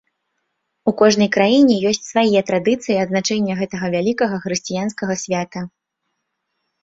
У кожнай краіне ёсць свае традыцыі адзначэння гэтага вялікага хрысціянскага свята.